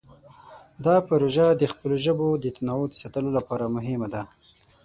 دا پروژه د خپلو ژبو د تنوع د ساتلو لپاره مهمه ده.